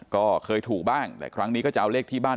ก็เคยถูกบ้างแต่ครั้งนี้ก็จะเอาเลขที่บ้าน